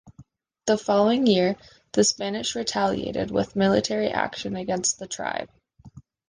The following year, the Spanish retaliated with military action against the tribe.